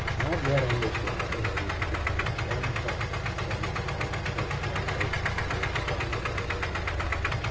Not yet on this ride had he entertained one thought concerning his own personal relation to its fragile possibilities.